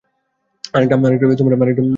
আরেকটা কথা শোনো।